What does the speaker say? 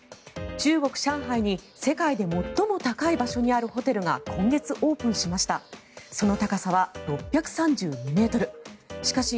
中国・上海に世界で最も高い場所にあるホテルが今月オープンしました。